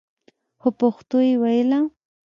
خو پښتو يې ويله.